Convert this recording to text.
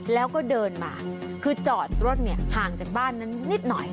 แล้วก็เดินมาคือจอดรถเนี่ยห่างจากบ้านนั้นนิดหน่อย